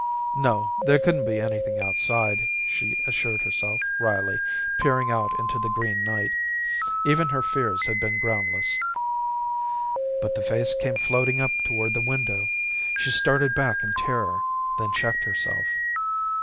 No, there couldn't be anything outside, she assured herself wryly, peering out into the green night. Even her fears had been groundless. But the face came floating up toward the window. She started back in terror, then checked herself.